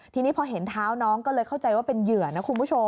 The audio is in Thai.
ทีนี้พอเห็นเท้าน้องก็เลยเข้าใจว่าเป็นเหยื่อนะคุณผู้ชม